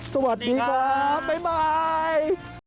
สวัสดีครับบ๊ายบาย